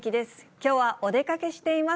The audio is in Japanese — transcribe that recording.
きょうはお出かけしています。